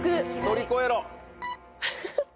乗り越えろ！